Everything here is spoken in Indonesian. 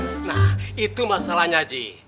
nah itu masalahnya ji